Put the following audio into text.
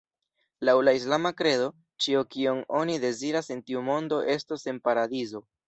Laŭ la islama kredo, ĉio kion oni deziras en tiu mondo estos en Paradizo.